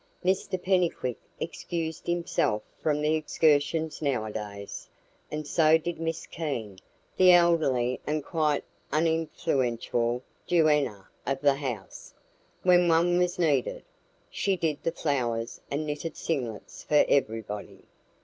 Mr Pennycuick excused himself from excursions nowadays, and so did Miss Keene, the elderly and quite uninfluential duenna of the house, when one was needed (she "did the flowers" and knitted singlets for everybody).